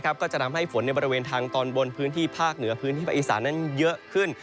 ก็จะทำให้ฝนในบริเวณทางตอนบนพื้นที่ภาคเหนือพื้นที่ภาคอีสานั้นเยอะขึ้น